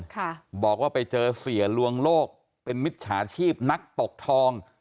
ค่ะบอกว่าไปเจอเสียลวงโลกเป็นมิจฉาชีพนักตกทอง